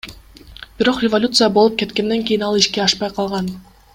Бирок революция болуп кеткенден кийин ал ишке ашпай калган.